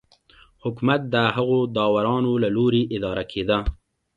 حکومت د هغو داورانو له لوري اداره کېده